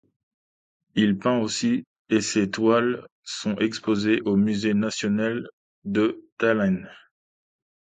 Il peint aussi et ses toiles sont exposées au musée national de Tallinn.